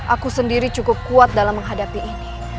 aku sendiri cukup kuat dalam menghadapi ini